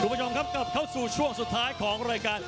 คุณผู้ชมครับกลับเข้าสู่ช่วงสุดท้ายของรายการ